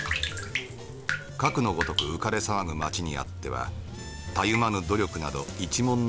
かくのごとく浮かれ騒ぐ街にあってはたゆまぬ努力など一文の値打ちもない。